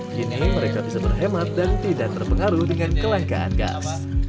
kini mereka bisa berhemat dan tidak terpengaruh dengan kelangkaan gas